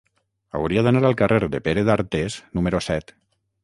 Hauria d'anar al carrer de Pere d'Artés número set.